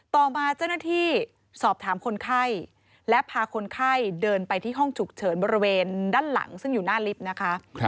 ต่อมาเจ้าหน้าที่สอบถามคนไข้และพาคนไข้เดินไปที่ห้องฉุกเฉินบริเวณด้านหลังซึ่งอยู่หน้าลิฟต์นะคะ